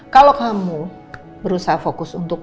kalau kamu berusaha fokus untuk